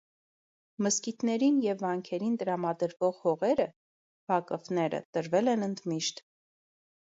Մզկիթներին և վանքերին տրամադրվող հողերը՝ վակֆները, տրվել են ընդմիշտ։